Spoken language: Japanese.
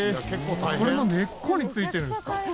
これの根っこについてるんですか。